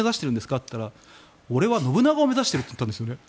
と言ったら俺は信長を目指していると言ったんです。